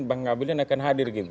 bang ngabalin akan hadir gitu